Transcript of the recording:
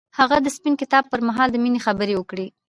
هغه د سپین کتاب پر مهال د مینې خبرې وکړې.